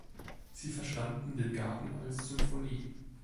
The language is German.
Sie verstanden den Garten als Symphonie.